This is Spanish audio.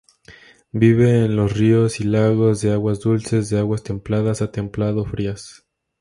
Vive en los ríos y lagos de aguas dulces, de aguas templadas a templado-frías.